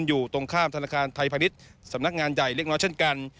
อยู่ตรงข้ามธนาคารไทยพาณิชย์สำนักงานใหญ่เล็กน้อยเช่นกัน